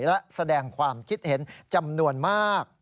และแสดงความคิดเห็นจำนวนมาก